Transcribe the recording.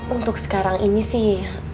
untuk sekarang ini sih